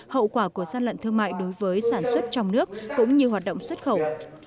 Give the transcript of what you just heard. hậu quả của gian lận thương mại đối với sản xuất trong nước cũng như hoạt động xuất khẩu